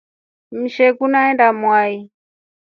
Usheku neenda mwai.